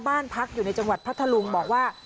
บ้านพักอยู่ในจังหวัดพัทธลุงบอกว่า